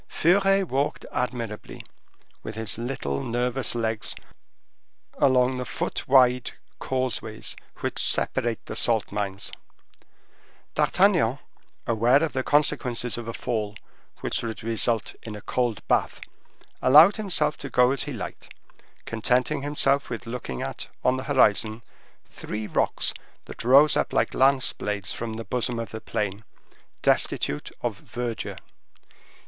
Furet walked admirably, with his little nervous legs, along the foot wide causeways which separate the salt mines. D'Artagnan, aware of the consequences of a fall, which would result in a cold bath, allowed him to go as he liked, contenting himself with looking at, on the horizon, three rocks, that rose up like lance blades from the bosom of the plain, destitute of verdure.